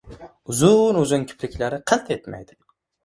Uzun-uzun kipriklari qilt etmaydi.